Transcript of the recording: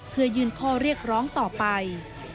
เพื่อยื่นข้อเรียกร้องต่อไป